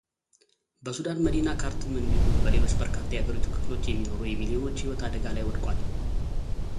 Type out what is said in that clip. በሱዳን መዲና ካርቱም እንዲሁም በሌሎች በርካታ የአገሪቱ ክፍሎች የሚኖሩ የሚሊዮኖች ህይወት አደጋ ላይ ወድቋል